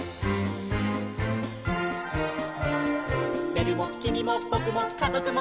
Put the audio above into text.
「べるもきみもぼくもかぞくも」